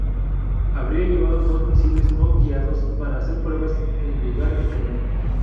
Habría llevado dos misiles no guiados para hacer pruebas en lugar del cañón.